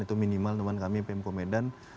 itu minimal teman kami pmk medan